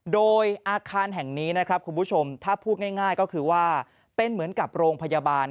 โดยอาคารแห่งนี้นะครับคุณผู้ชมถ้าพูดง่ายก็คือว่าเป็นเหมือนกับโรงพยาบาล